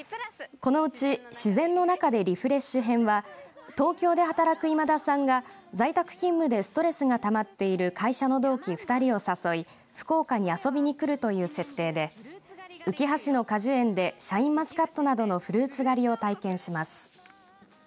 このうち自然の中でリフレッシュ編は東京で働く今田さんが在宅勤務でストレスがたまっている会社員の同期２人を誘い福岡に遊びにくるという設定でうきは市の果樹園でシャインマスカットなどのフルーツ狩りを体験します。